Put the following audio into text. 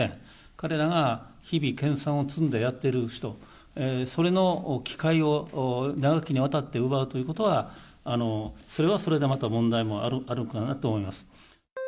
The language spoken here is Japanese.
彼らは日々研さんを積んでやってる人、それの機会を、長きにわたって奪うということは、それはそれでまた問題もあるかなと思います。